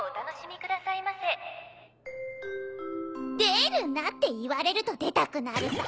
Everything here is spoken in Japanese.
出るなって言われると出たくなるさ。